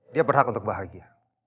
dia berhak untuk bahagia